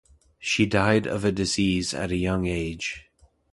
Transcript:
She died of a disease at a young age.